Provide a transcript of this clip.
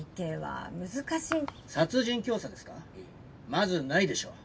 まずないでしょう。